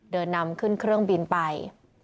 เดินนำขึ้นเครื่องบินไป